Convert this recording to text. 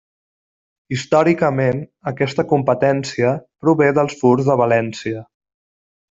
Històricament, aquesta competència prové dels furs de València.